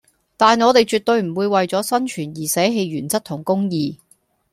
但我地絕對唔會為左生存而捨棄原則同公義